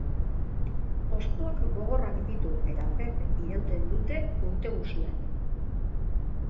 Hostoak gogorrak ditu eta berde irauten dute urte guztian.